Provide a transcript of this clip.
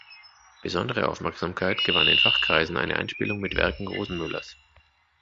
Besondere Aufmerksamkeit gewann in Fachkreisen eine Einspielung mit Werken Rosenmüllers.